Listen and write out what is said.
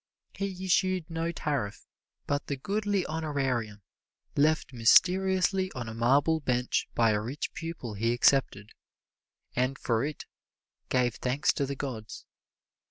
He issued no tariff, but the goodly honorarium left mysteriously on a marble bench by a rich pupil he accepted, and for it gave thanks to the gods.